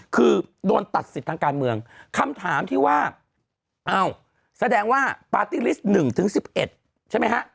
คือโดนตัดสิทธิ์ทางการเมืองคำถามที่ว่าอ้าวแสดงว่าปาร์ตี้ลิสต์๑๑๑ใช่ไหมฮะ